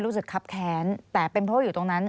รู้สึกครับแค้นแต่เป็นเพราะว่าอยู่ตรงนั้น